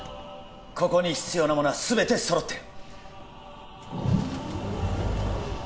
ここに必要なものは全て揃ってる